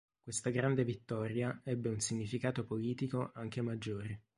Questa grande vittoria ebbe un significato politico anche maggiore.